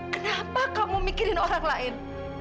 kenapa kamu mikirin orang lain